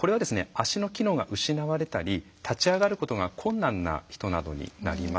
足の機能が失われたり立ち上がることが困難な人などになります。